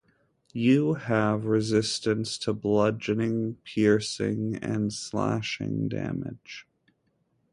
You have resistance to bludgeoning, piercing, and slashing damage.